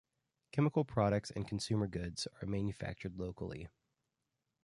Chemical products and consumer goods are manufactured locally.